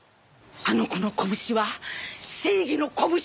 あの子の拳は正義の拳！